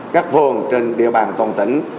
các phường trên địa bàn toàn tỉnh